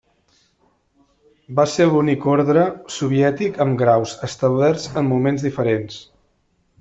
Va ser l'únic orde soviètic amb graus establerts en moments diferents.